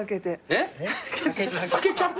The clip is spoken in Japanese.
えっ？